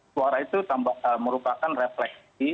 suara itu merupakan refleksi